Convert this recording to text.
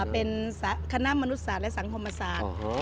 เป็นคณะมนุษย์สารและสังคมสาร